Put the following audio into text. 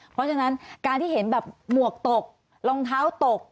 เพราะฉะนั้นการที่เห็นแบบหมวกตกรองเท้าตก